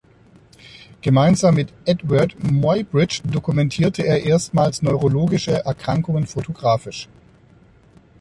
Gemeinsam mit Eadweard Muybridge dokumentierte er erstmals neurologische Erkrankungen fotografisch.